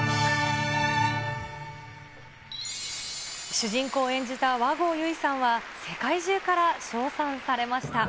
主人公を演じた和合由依さんは、世界中から称賛されました。